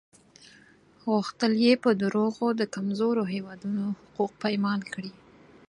غوښتل یې په دروغو د کمزورو هېوادونو حقوق پایمال کړي.